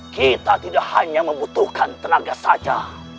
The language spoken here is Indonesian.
kita tidak hanya membutuhkan tenaga saja